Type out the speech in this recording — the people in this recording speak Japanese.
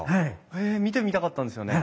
へえ見てみたかったんですよね。